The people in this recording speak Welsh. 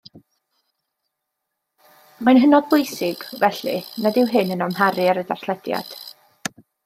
Mae'n hynod bwysig, felly, nad yw hyn yn amharu ar y darllediad.